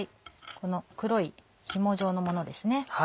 この黒いひも状のものですね。